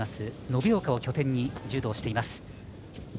延岡を拠点に柔道をしています。